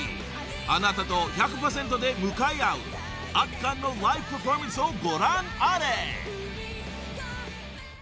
あなたと１００％で向かい合う圧巻のライブパフォーマンスをご覧あれ］